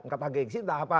kata gengsi entah apa